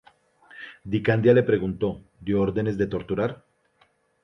Di Candia le preguntó: ""¿Dio órdenes de torturar?"".